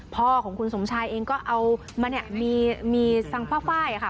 พ่อของคุณสมชายเองก็เอามีสังภาพไฟล์